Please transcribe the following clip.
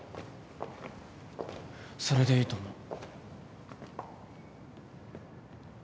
それでいいと思う。